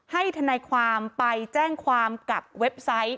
ทนายความไปแจ้งความกับเว็บไซต์